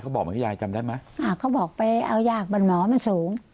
บอกไหมยายจำได้ไหมอ่าเขาบอกไปเอายากบันหมอมันสูง